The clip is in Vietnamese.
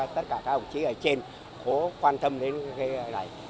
tất cả các hồ chí ở trên khổ quan tâm đến cái này